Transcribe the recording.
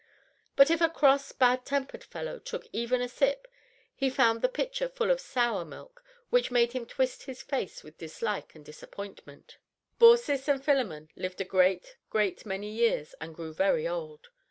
But if a cross, bad tempered fellow took even a sip, he found the pitcher full of sour milk, which made him twist his face with dislike and disappointment. Baucis and Philemon lived a great, great many years and grew very old.